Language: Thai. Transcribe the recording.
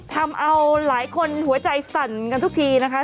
ทำเอาหลายคนหัวใจสั่นกันทุกทีนะคะ